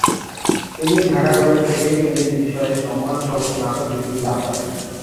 তিনি ঢাকা কলেজ থেকে ইংরেজি বিষয়ে সম্মানসহ স্নাতক ডিগ্রি লাভ করেন।